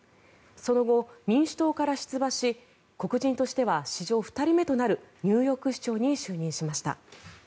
その後、民主党から出馬し黒人としては史上２人目となるニューヨーク市長に就任しました。